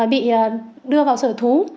bị đưa vào sở thú